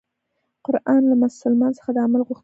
قرآن له مسلمان څخه د عمل غوښتنه کوي.